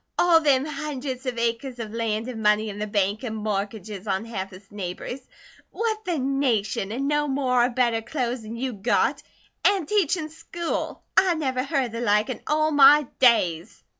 All them hundreds of acres of land an' money in the bank an' mortgages on half his neighbours. Whut the nation! An' no more of better clo's an' you got! An' teachin' school! I never heard of the like in all my days!"